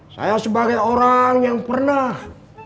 saya sebagai orang yang pernah